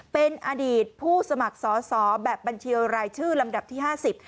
เป็นอดีตผู้สมัครสอบแบบบัญชีดนิยะลำดับที่๕๐